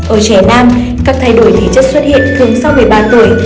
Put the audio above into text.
ở trẻ nam các thay đổi thể chất xuất hiện thường sau một mươi ba tuổi